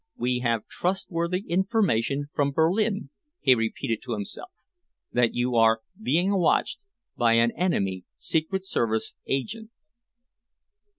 "We have trustworthy information from Berlin," he repeated to himself, "that you are being watched by an enemy secret service agent."